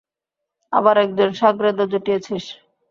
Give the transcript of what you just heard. আবার একজন শাগরেদও জুটিয়েছিস?